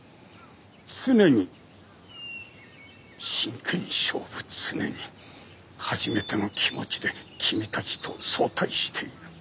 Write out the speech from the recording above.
常に真剣勝負常に初めての気持ちで君たちと相対している。